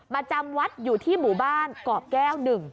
มาจำวัดอยู่ที่หมู่บ้านกรอบแก้วหนึ่ง